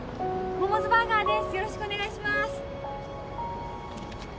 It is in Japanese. モモズバーガーです